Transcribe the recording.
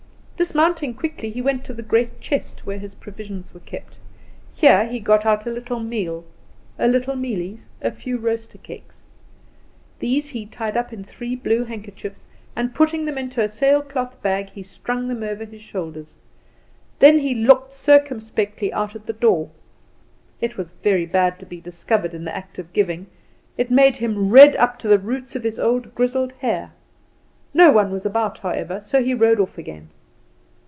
Dismounting quickly, he went to the great chest where his provisions were kept. Here he got out a little meal, a little mealies, a few roaster cakes. These he tied up in three blue handkerchiefs, and putting them into a sailcloth bag, he strung them over his shoulders. Then he looked circumspectly out at the door. It was very bad to be discovered in the act of giving; it made him red up to the roots of his old grizzled hair. No one was about, however, so he rode off again.